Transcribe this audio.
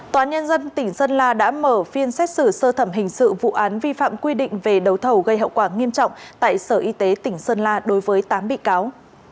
tòa án nhân dân tỉnh sơn la đã mở phiên xét xử sơ thẩm hình sự vụ án vi phạm quy định về đấu thầu gây hậu quả nghiêm trọng tại sở y tế tỉnh sơn la đối với tám bị cáo